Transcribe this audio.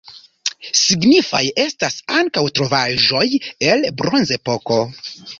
Signifaj estas ankaŭ trovaĵoj el bronzepoko.